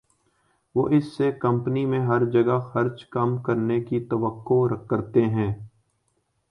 وہ اس سے کمپنی میں ہر جگہ خرچ کم کرنے کی توقع کرتے ہیں